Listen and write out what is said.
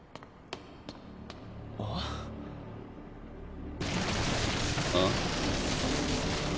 あっ？あっ？